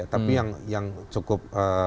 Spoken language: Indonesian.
tapi yang cukup